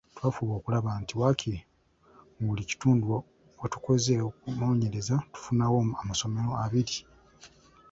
Twafuba okulaba nti waakiri mu buli kitundu we tukoze okunoonyereza tufunawo amasomero abiri.